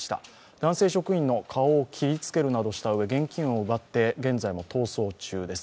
男性職員の顔を切りつけるなどしたうえ現金を奪って、現在も逃走中です。